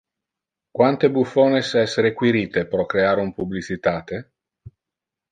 Quante buffones es requirite pro crear un publicitate?